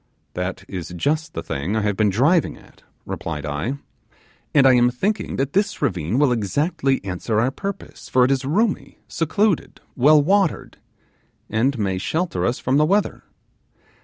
'That is just the thing I have been driving at,' replied I; 'and I am thinking that this ravine will exactly answer our purpose, for it is roomy, secluded, well watered, and may shelter us from the weather.